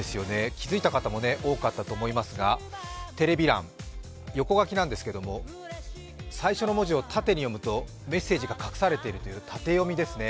気付いた方も多かったと思いますがテレビ欄、横書きなんですけども、最初の文字を縦に読むとメッセージが隠されているという縦読みですね。